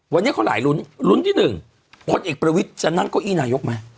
วันนี้เขาหลายลุ้นลุ้นที่หนึ่งพลเอกประวิทย์จะนั่งเก้าอี้นายกไหม